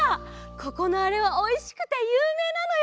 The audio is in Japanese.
ここのあれはおいしくてゆうめいなのよ。